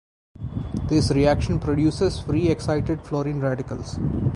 This reaction produces free excited fluorine radicals.